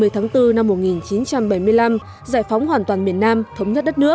ba mươi tháng bốn năm một nghìn chín trăm bảy mươi năm giải phóng hoàn toàn miền nam